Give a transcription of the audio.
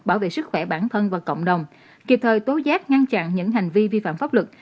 bảo vệ sức khỏe bản thân và cộng đồng kịp thời tố giác ngăn chặn những hành vi vi phạm pháp luật